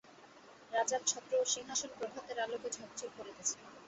রাজার ছত্র ও সিংহাসন প্রভাতের আলোকে ঝকঝক করিতেছে।